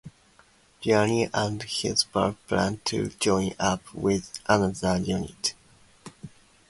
Gianni and his squad plan to join up with another unit.